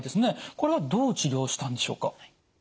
これはどう治療したんでしょうか？